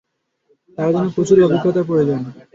তার জন্য প্রচুর অভিজ্ঞতার প্রয়োজন।